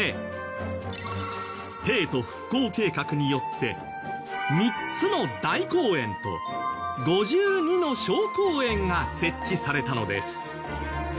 帝都復興計画によって３つの大公園と５２の小公園が設置されたのです。